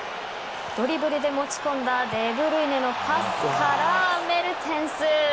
ドリブルで持ち込んだデブルイネのパスからメルテンス。